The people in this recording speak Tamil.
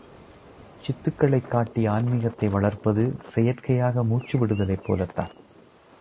சித்துக்களைக் காட்டி ஆன்மீகத்தை வளர்ப்பது செயற்கையாக மூச்சுவிடுதலைப் போலத்தான்.